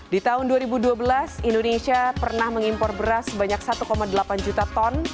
di tahun dua ribu dua belas indonesia pernah mengimpor beras sebanyak satu delapan juta ton